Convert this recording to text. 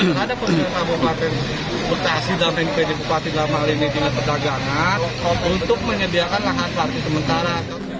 ada persoalan kabupaten bekasi dan bnp di bupati lama lini dengan pedagangan untuk menyediakan lahan parkir sementara